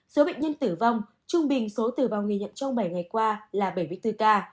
số bệnh nhân tử vong trung bình số tử vong ghi nhận trong bảy ngày qua là bảy mươi bốn ca